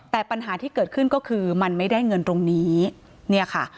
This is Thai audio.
แต่ปัญหาที่เกิดขึ้นก็คือมันไม่ได้เงินตรงนี้เนี่ยค่ะ